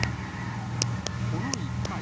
この１回。